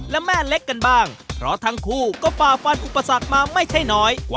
และแม่เล็กกันบ้างเพราะทั้งคู่ก็ฝ่าฟันอุปสรรคมาไม่ใช่น้อยกว่า